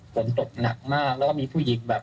ฝนตกหนักมากแล้วก็มีผู้หญิงแบบ